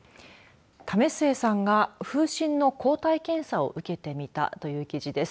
為末さんが風疹の抗体検査を受けてみたという記事です。